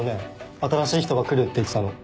新しい人が来るって言ってたの。